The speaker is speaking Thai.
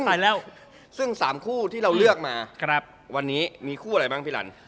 อ่าซึ่ง๓คู่ที่เราเลือกมาวันนี้มีคู่อะไรบ้างพี่รัน